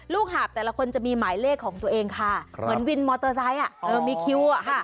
หาบแต่ละคนจะมีหมายเลขของตัวเองค่ะเหมือนวินมอเตอร์ไซค์มีคิว